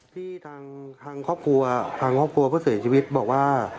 ที่ทางครอบครัวทางครอบครัวผู้เสียชีวิตบอกว่า